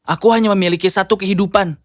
aku hanya memiliki satu kehidupan